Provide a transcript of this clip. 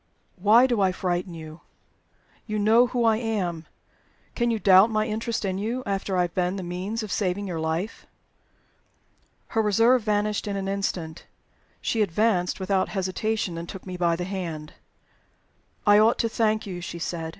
"Why do I frighten you? You know who I am. Can you doubt my interest in you, after I have been the means of saving your life?" Her reserve vanished in an instant. She advanced without hesitation, and took me by the hand. "I ought to thank you," she said.